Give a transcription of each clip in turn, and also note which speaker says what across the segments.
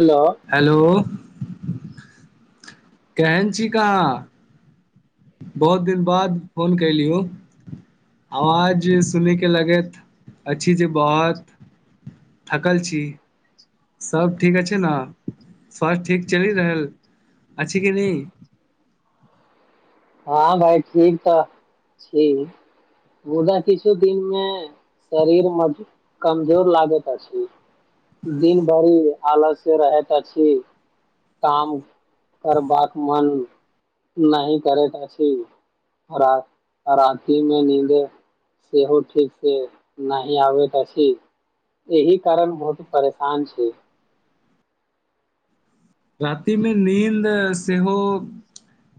Speaker 1: Hello
Speaker 2: hello केहन छीक अहाँ बहुत दिन बाद फोन कलियौ आवाज सुनयके लगैत अछि जे बहुत थकल छी सभ ठीक अछि ने स्वास्थ्य ठीक चलि रहल अछि कि नहि
Speaker 1: हँ भााय ठीक तऽ छी मुदा किछु दिन मे शरीर कमजोर लागैत अछि दिन भरि आलस्य रहैत अछि काम करबाक मन नहि करैत अछि राते मे नींद सेहो ठीक से नहि आबैत अछि एहि कारण बहुत परेशान छी
Speaker 2: रातिमे नीन्द सेहो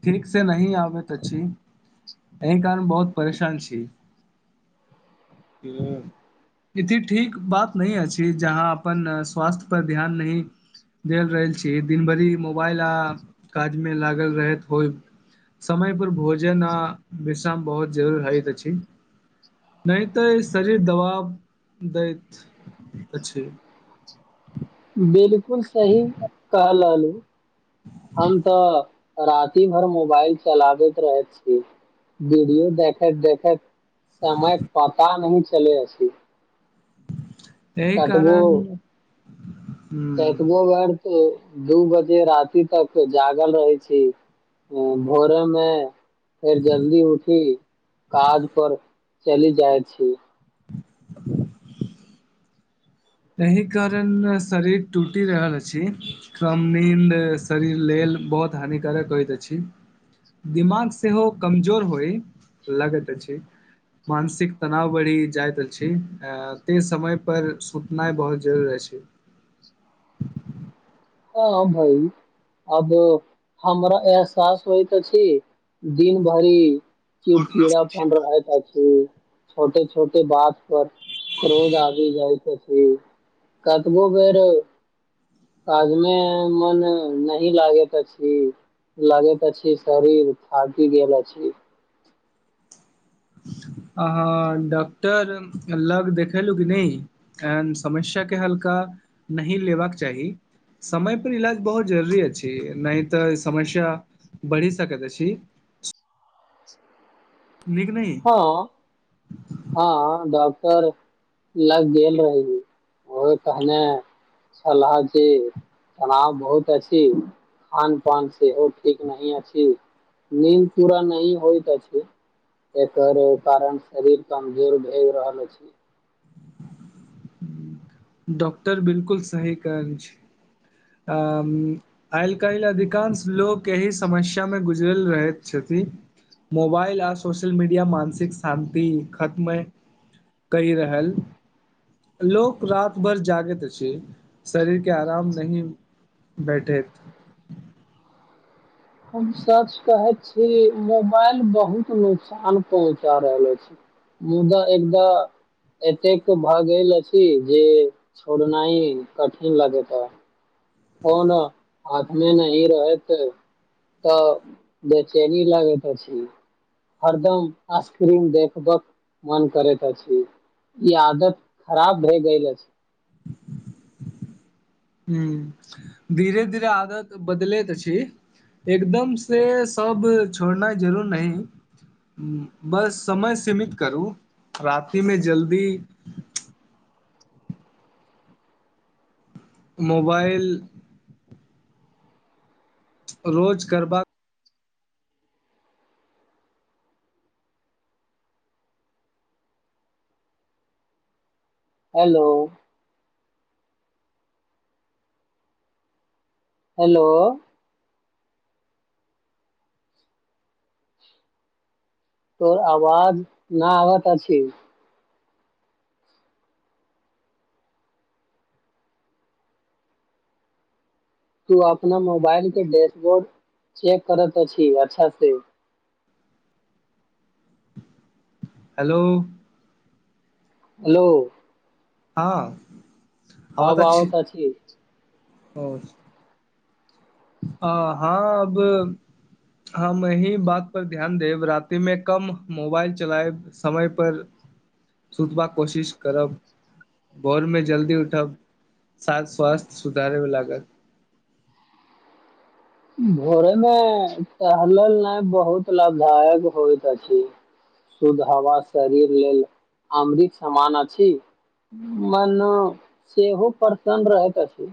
Speaker 2: ठीकसँ नहिही आबैत अछि एहि कारण बहुत परेशान छी। इ ठीक बात नहि अछि जहाँ अपन स्वास्थ्य पर ध्यान नही देल रहल छी दिन भरि मोबाइल आ काज मे लागल रहैत होइ समय पर भोजन आ विश्राम बहुत जरूर होइत अछि नहि तऽ शरीर दबाब दैत अछि।
Speaker 1: बिल। बिल्कुल सही कह ललू हम तऽ राति भर मोबाइल चलाबैत रहै छी वीडियो देखैत देखैत समय पता न। चलि अस।
Speaker 2: एहि कारण ह्म
Speaker 1: तबो ब। दू बजे राति तक जागल रहै छी भोरे मे फेर जल्दी उठी काज पर चली जाय छी
Speaker 2: एहि कारण शरीर टूटि रहल अछि कम नींद शरीर लेल बहुत हानिकारक होइत अछि दिमाग सेहो कमजोर होय लगैत अछि मानसिक तनाव बढ़ि जाइत अछि ते समय पर सूत- नाहि बहुत जरूरी अछि
Speaker 1: हँ भई अब हमरा एहसास होइत अछि दिन भरि चिड़चिड़ा अपन रह। छोटे छोटे बात पर क्रोध आबि जाइत कतबो बेर काज मे मन नहि लागैत अछि लागैत अछि शरीर थाकि गेल अछि
Speaker 2: अ डॉक्टर लग देखेलहुँ कि नहि एन समस्याके हल्का नहि लेबाक चाही समयपर इलाज बहुत जरूरी अछि नहि तऽ समस्या बढ़ि सकैत अछि।
Speaker 1: [inaudible]
Speaker 2: नीक नहि।
Speaker 1: हँ हँ डॉक्टर लग गेल रही ओहे कहने छह जे तनाव बहुत अछि खान पान सेहो ठीक नही अछि नीद पूरा नही होइत अछि एकर कारण शरीर। कमजोर भज रहल छी।
Speaker 2: डॉक्टर बिल्कुल सही कहल छै अ आइ काल्हि अधिकांश लोक एहि समस्यामे गुजरल रहैत छथिन मोबाइल आ सोशल मीडिया मानसिक शान्ति खत्म कहि रहल लोक रात भर जागैत अछि। शरीर के आराम। [unintelligible] बैठैत।
Speaker 1: हम सच कहैत छी मोबाइल बहुत नुकसान पहुँचा रहल अछि मुदा एकदा एतेक भए गेल अछि जे छोड़ना ह कठिन लगैत ह। फोन हाथमे नहि रहैत तऽ बेचैनी लगैत अछि हरदम स्क्रीन देखबक मन करैत अछि ई आदत खराब भए गेल अछि
Speaker 2: हूँ धीरे धीरे आदत बदलैत छी एकदम से सब छोड़नाइ जरूर नहि बस समय सीमित करू रातिमे जल्दी मोबाइल रोज गरबा।
Speaker 1: हेलो। हेलो। तोर आवाज न आबत अछि तू अपना मोबाइल के डैशबोर्ड चेक करैत अछि अच्छा से।
Speaker 2: Hello
Speaker 1: hello.
Speaker 2: हँ।
Speaker 1: तब
Speaker 2: आवाज
Speaker 1: बओ
Speaker 2: अछि
Speaker 1: तऽ छ।
Speaker 2: [unintelligible] आ हँ अब हम एहिही बात पर ध्यान देब रातिमे कम मोबाइल चलायब समय पर सुतबाक कोशिश करब भोरमे जल्दी उठब साथ स्वास्थ्य सुधारेमे लागत
Speaker 1: भोरे मे टहलल न बहुत लाभदायक होइत अछि शुद्ध हवा शरीर लेल अमृत समान अछि मन सेहो प्रसन्न रहैत अछि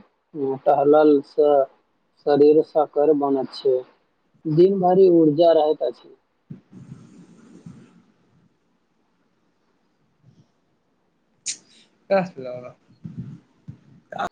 Speaker 1: टहलल स शरीर स कर बन छै दिन भरि ऊर्जा रहता छै।
Speaker 2: कल ओ।